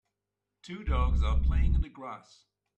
Two dogs are playing in the grass.